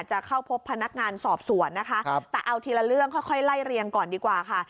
จะเข้าพบพนักงานสอบสวนนะคะแต่เอาทีละเรื่องค่อยไล่เรียงก่อนดีกว่าค่ะ